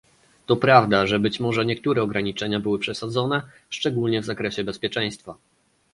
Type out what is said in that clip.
To prawda, że być może niektóre ograniczenia były przesadzone, szczególnie w zakresie bezpieczeństwa